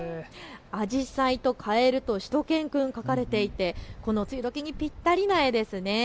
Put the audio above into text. あじさいとカエルとしゅと犬くんが描かれていて梅雨時にピッタリな柄ですね。